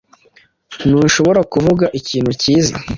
Ntushobora kuvuga ikintu cyiza